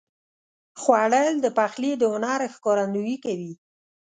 خوړل د پخلي د هنر ښکارندویي کوي